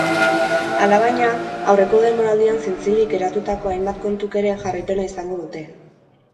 Alabaina, aurreko denboraldian zintzilik geratutako hainbat kontuk ere jarraipena izango dute.